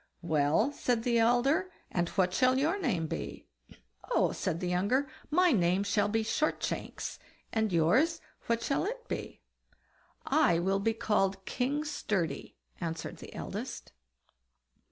"Well!" said the elder, "and what shall your name be?" "Oh!" said the younger, "my name shall be Shortshanks; and yours, what shall it be?" "I will be called King Sturdy", answered the eldest.